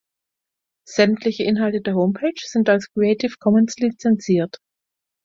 Sämtliche Inhalte der Homepage sind als Creative Commons lizenziert.